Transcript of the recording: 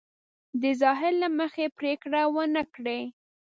د ظاهر له مخې پرېکړه ونه کړي.